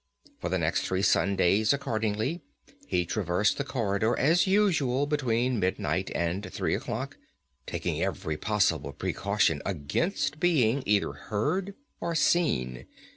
For the next three Saturdays, accordingly, he traversed the corridor as usual between midnight and three o'clock, taking every possible precaution against being either heard or seen.